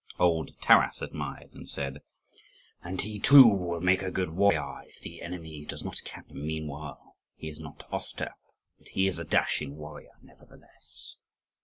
Old Taras admired and said, "And he too will make a good warrior if the enemy does not capture him meanwhile. He is not Ostap, but he is a dashing warrior, nevertheless."